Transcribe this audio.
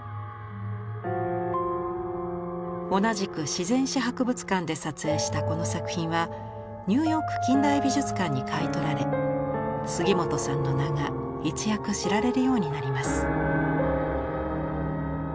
同じく自然史博物館で撮影したこの作品はニューヨーク近代美術館に買い取られ杉本さんの名が一躍知られるようになります。